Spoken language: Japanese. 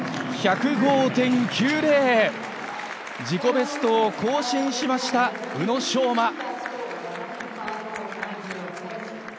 自己ベストを更新しました宇野昌磨。